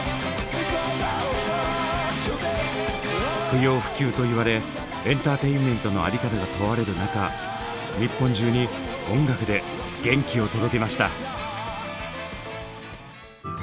不要不急と言われエンターテインメントの在り方が問われる中日本中に音楽で元気を届けました。